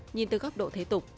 nhìn từ góc độ thế tục